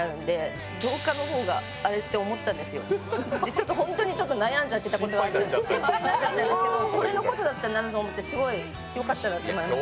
ちょっと本当に悩んじゃってたことがあって、心配だったんですけどそれのことだったんだなと思ってすごいよかったなって思いました。